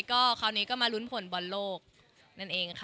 ก็คราวนี้ก็มาลุ้นผลบอลโลกนั่นเองค่ะ